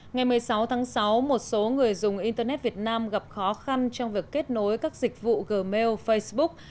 ngày một mươi sáu tháng sáu một số người dùng internet việt nam gặp khó khăn trong việc kết nối các dịch vụ gmail facebook